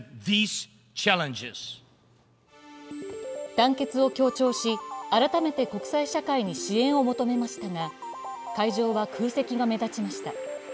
団結を強調し、改めて国際社会に支援を求めましたが会場は空席が目立ちました。